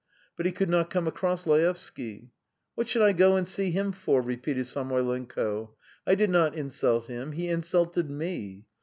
But he could not come across Laevsky. "What should I go and see him for?" repeated Samoylenko. "I did not insult him; he insulted me.